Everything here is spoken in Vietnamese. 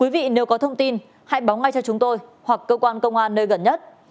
nếu có thông tin hãy báo ngay cho chúng tôi hoặc cơ quan công an nơi gần nhất